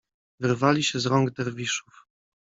Wyrwali się z rąk Derwiszów.